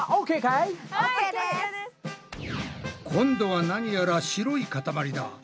今度は何やら白いかたまりだ。